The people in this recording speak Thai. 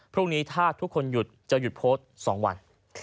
พรุ่งนี้ถ้าทุกคนหยุดจะหยุดโพสต์๒วัน